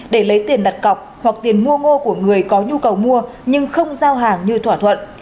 để lấy tiền đặt cọc hoặc tiền mua ngô của người có nhu cầu mua nhưng không giao hàng như thỏa thuận